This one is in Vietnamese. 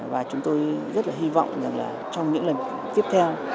và chúng tôi rất hy vọng rằng trong những lần tiếp theo